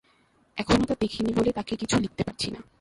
এখনও তা দেখিনি বলে তাঁকে কিছু লিখতে পারছি না।